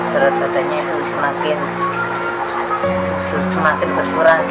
terutamanya itu semakin berkurang gitu